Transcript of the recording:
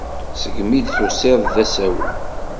Segmi i d-tusiḍ d asawen.